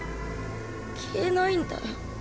消えないんだよ